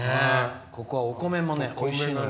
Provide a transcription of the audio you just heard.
ここはお米もおいしいのよ。